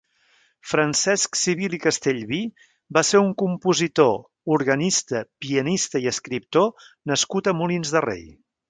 Francesc Civil i Castellví va ser un compositor, organista, pianista i escriptor nascut a Molins de Rei.